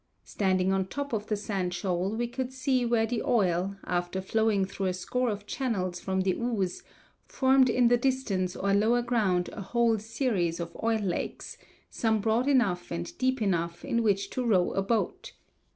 Standing on the top of the sand shoal we could see where the oil, after flowing through a score of channels from the ooze, formed in the distance or lower ground a whole series of oil lakes, some broad enough and deep enough in which to row a boat.